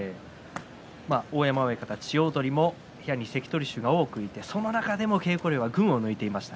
大山親方は千代鳳の部屋に関取衆が多くてその中でも稽古量は群を抜いていました。